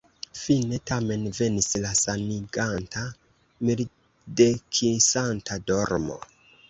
Fine tamen venis la saniganta, mildekisanta dormo.